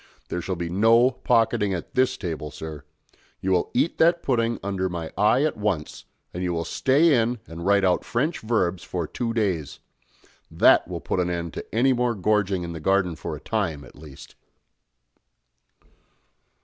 There shall be no pocketing at this table, sir. You will eat that pudding under my eye at once, and you will stay in and write out French verbs for two days. That will put an end to any more gorging in the garden for a time, at least."